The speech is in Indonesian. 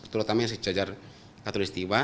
terutama yang sejajar katolik setiwa